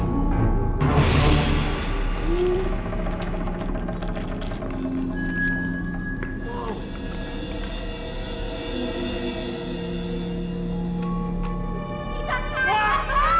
sepertinya kita harus pahami lumang tamang